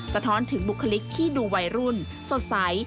สะท้อนถึงบุคลิกที่ดูวัยรุ่นสดใส